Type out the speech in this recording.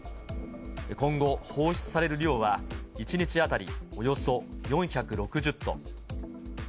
今後、放出される量は１日当たりおよそ４６０トン。